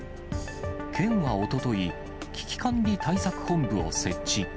県はおととい、危機管理対策本部を設置。